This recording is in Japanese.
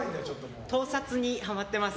盗撮にハマってます。